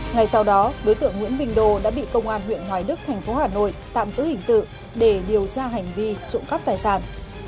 ngày sau đó đối tượng nguyễn vinh đồ đã bị công an huyện hoài đức thành phố hà nội tạm giữ hình sự để điều tra hành vi trụng cắp tài sản